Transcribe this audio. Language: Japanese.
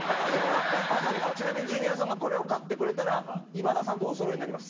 ちなみに、ジュニアさんがこれを買ってくれたら今田さんとおそろいになります。